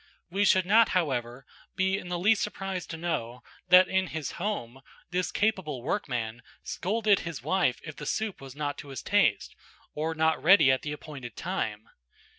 We should not, however, be in the least surprised to know that in his home this capable workman scolded his wife if the soup was not to his taste, or not ready at the appointed time.